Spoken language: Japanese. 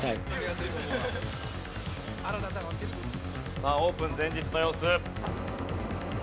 さあオープン前日の様子。